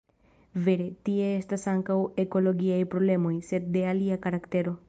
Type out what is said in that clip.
Vere, tie estas ankaŭ ekologiaj problemoj, sed de alia karaktero.